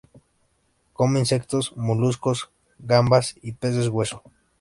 Come insectos, moluscos, gambas y peces hueso.